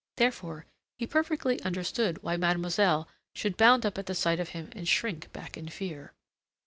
Therefore he perfectly understood why mademoiselle should bound up at sight of him, and shrink back in fear.